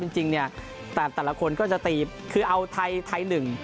จริงเนี่ยแต่แต่ละคนก็จะตีคือเอาไทยไทยหนึ่ง